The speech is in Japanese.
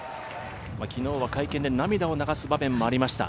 昨日は会見で涙を流す場面もありました。